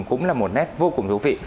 cũng là một nét vô cùng thú vị